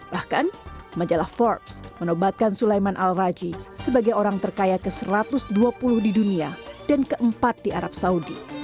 bahkan majalah forbes menobatkan sulaiman al raji sebagai orang terkaya ke satu ratus dua puluh di dunia dan keempat di arab saudi